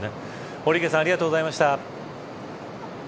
堀池さんありがとうございました。